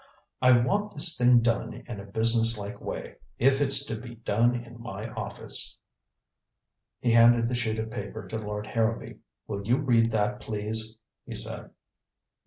"I want this thing done in a businesslike way, if it's to be done in my office." He handed the sheet of paper to Lord Harrowby. "Will you read that, please?" he said.